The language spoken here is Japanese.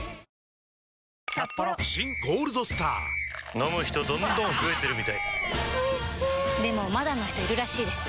飲む人どんどん増えてるみたいおいしでもまだの人いるらしいですよ